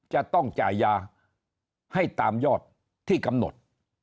จะต้องจ่ายยาให้ตามยอดที่กำหนด